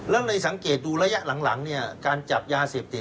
แล้วในสังเกตดูระยะหลังการจับยาเสพติดนี่นะท่าน